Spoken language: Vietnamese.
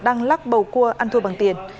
đang lắc bầu cua ăn thua bằng tiền